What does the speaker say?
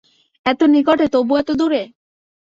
এত নিকটে, তবু এত দূরে!